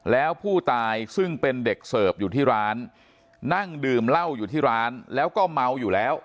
แล้วผู้ตายซึ่งเป็นเด็กเสิร์ฟอยู่ที่ร้านนั่งดื่มเหล้าอยู่ที่ร้านแล้วก็เมาอยู่แล้ว